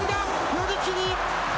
寄り切り。